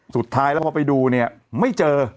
สุดท้ายแล้วพอไปดูไม่เจอ